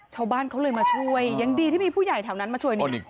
ชาวบ้านเขาเลยมาช่วยยังดีที่มีผู้ใหญ่แถวนั้นมาช่วยเนี่ย